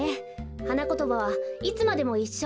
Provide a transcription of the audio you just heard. はなことばは「いつまでもいっしょ」。